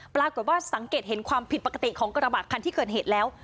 ปรากฏว่าสังเกตเห็นความผิดปกติของกระบะคันที่เกิดเหตุแล้ว